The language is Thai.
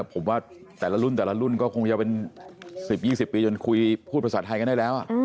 ผมว่าแต่ละรุ่นแต่ละรุ่นก็คงจะเป็น๑๐๒๐ปีจนคุยพูดภาษาไทยกันได้แล้ว